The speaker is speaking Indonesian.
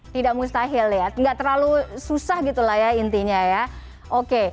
tidak mustahil ya nggak terlalu susah gitu lah ya intinya ya oke